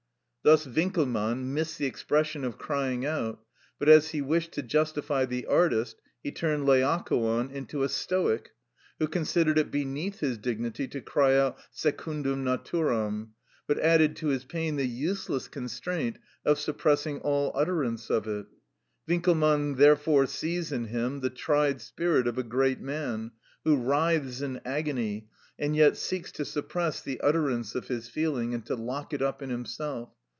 Thus Winckelmann missed the expression of crying out; but as he wished to justify the artist he turned Laocoon into a Stoic, who considered it beneath his dignity to cry out secundum naturam, but added to his pain the useless constraint of suppressing all utterance of it. Winckelmann therefore sees in him "the tried spirit of a great man, who writhes in agony, and yet seeks to suppress the utterance of his feeling, and to lock it up in himself.